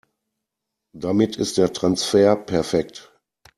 Damit ist der Transfer perfekt.